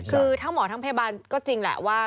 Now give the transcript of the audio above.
คือทั้งหมอทั้งพยาบาลก็จริงแหละว่า